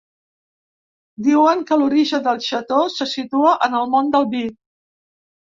Diuen que l’origen del xató se situa en el món del vi.